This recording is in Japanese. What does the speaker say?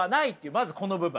まずこの部分。